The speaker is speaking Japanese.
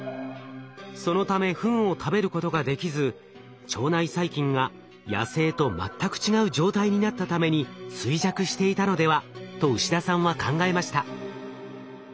そのためフンを食べることができず腸内細菌が野生と全く違う状態になったために衰弱していたのではと牛田さんは考えました。